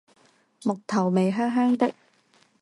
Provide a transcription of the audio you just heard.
木頭味香香的